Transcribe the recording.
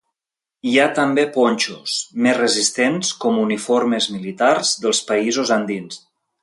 Hi ha també ponxos, més resistents, com uniformes militars dels països andins.